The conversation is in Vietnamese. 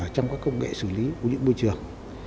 trong các công nghệ xử lý của những môi trường